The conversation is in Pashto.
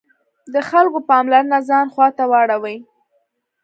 د خلکو پاملرنه ځان خواته واړوي.